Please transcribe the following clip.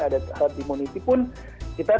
ada halat imuniti pun kita